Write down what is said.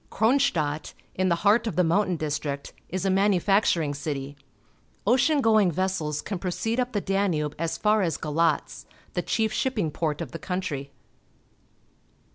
Kronstadt, in the heart of the mountain district, is a manufacturing city. Ocean going vessels can proceed up the Danube as far as Galatz — the chief shipping port of the country.